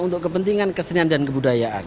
untuk kepentingan kesenian dan kebudayaan